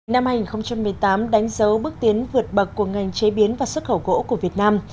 năm hai nghìn một mươi tám đánh dấu bước tiến vượt bậc của ngành chế biến và xuất khẩu gỗ của việt nam